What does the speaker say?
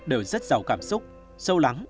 đều rất giàu cảm xúc sâu lắng